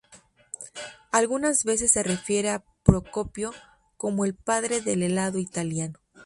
Algunas veces se refiere a Procopio como "El Padre del helado italiano".